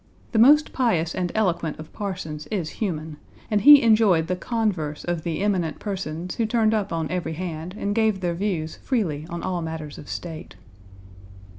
The most pious and eloquent of parsons is human, and he enjoyed the converse of the "eminent persons" who turned up on every hand and gave their views freely on all matters of state.